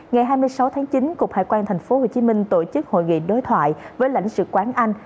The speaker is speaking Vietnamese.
ngày hai mươi sáu tháng chín cục hải quan tp hcm tổ chức hội nghị đối thoại với lãnh sự quán anh